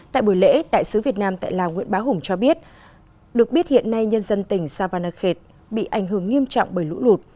tại buổi lễ đại sứ việt nam tại lào nguyễn bá hùng cho biết được biết hiện nay nhân dân tỉnh savanakhet bị ảnh hưởng nghiêm trọng bởi lũ lụt